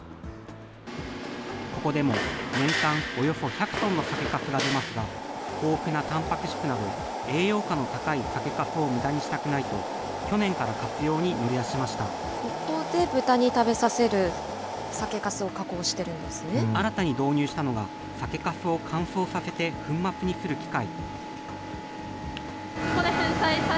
ここでも年間およそ１００トンの酒かすが出ますが、豊富なたんぱく質など、栄養価の高い酒かすをむだにしたくないと去年から活用に乗り出しここで豚に食べさせる酒かす新たに導入したのが、酒かすを乾燥させて粉末にする機械。